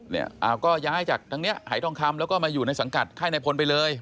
อ่าก็ย้ายจากทางนี้หายทองคำแล้วก็มาอยู่ในสังกัดค่ายในพลไปเลย